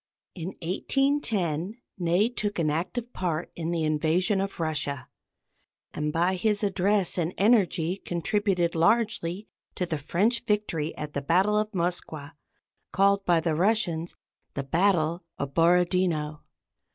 In 1810, Ney took an active part in the invasion of Russia, and by his address and energy contributed largely to the French victory at the battle of the Moskwa, called by the Russians the battle of Borodino.